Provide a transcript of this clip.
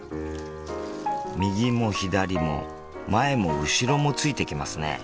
右も左も前も後ろもついてきますね。